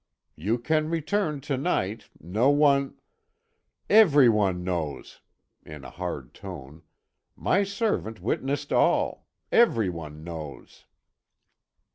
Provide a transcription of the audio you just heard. You can return to night, no one " "Every one knows," in a hard tone "my servant witnessed all every one knows."